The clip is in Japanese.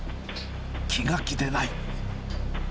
気が気でない。